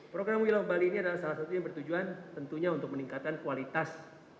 program wilayah bali ini adalah salah satu yang bertujuan tentunya untuk meningkatkan kualitas